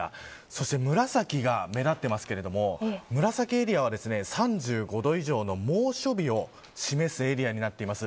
そして紫が目立っていますが紫エリアは３５度以上の猛暑日を示すエリアになっています。